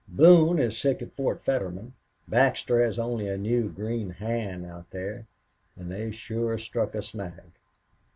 Boone is sick at Fort Fetterman. Baxter has only a new green hand out there, an' they've sure struck a snag."